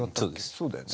そうだよね。